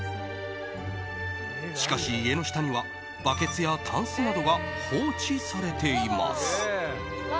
しかし、家の下にはバケツやたんすなどが放置されています。